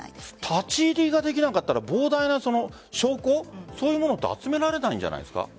立ち入りができなかったら膨大な証拠そういうものを集められないんじゃないですか？